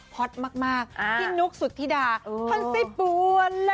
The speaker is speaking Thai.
พล็อตมากที่นุกสุธิดาพันสิบบวนเลย